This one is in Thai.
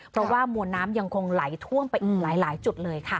เพราะว่ามวลน้ำยังคงไหลท่วมไปอีกหลายจุดเลยค่ะ